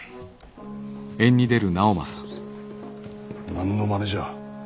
何のまねじゃ。